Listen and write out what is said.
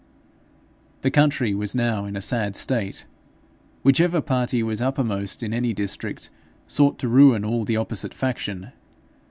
The country was now in a sad state. Whichever party was uppermost in any district, sought to ruin all of the opposite faction.